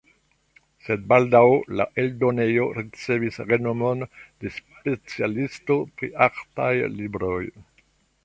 Sed baldaŭ la eldonejo ricevis renomon de specialisto pri artaj libroj.